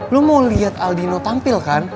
lo mau liat aldino tampil kan